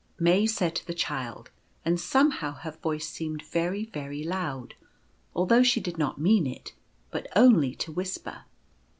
May said to the Child — and somehow her voice seemed very, very loud although she did not mean it, but only to whisper.